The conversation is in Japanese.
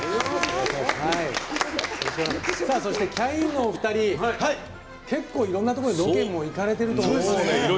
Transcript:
そしてキャインのお二人結構いろんなところにロケも行かれてると思いますけども。